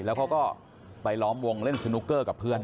แล้วเขาก็ไปล้อมวงเล่นสนุกเกอร์กับเพื่อน